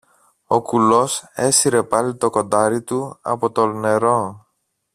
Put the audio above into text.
Ο κουλός έσυρε πάλι το κοντάρι του από το νερό